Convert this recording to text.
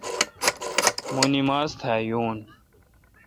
مہ نماز تھا یون۔